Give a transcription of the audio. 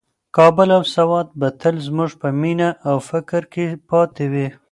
کابل او سوات به تل زموږ په مینه او فکر کې پاتې وي.